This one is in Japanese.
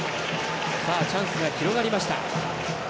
チャンスが広がりました。